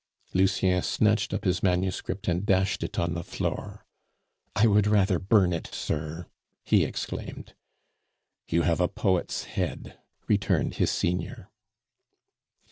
Lucien snatched up his manuscript and dashed it on the floor. "I would rather burn it, sir!" he exclaimed. "You have a poet's head," returned his senior.